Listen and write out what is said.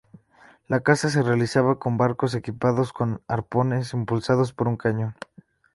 La caza se realizaba con barcos equipados con arpones impulsados por un cañón.